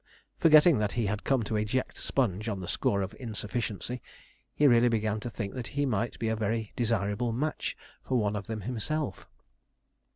Forgetting that he had come to eject Sponge on the score of insufficiency, he really began to think he might be a very desirable match for one of them himself.